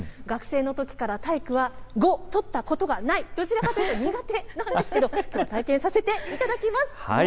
学生のときから体育は５取ったことがない、どちらかというと苦手なんですけど、きょうは体験させていただきます。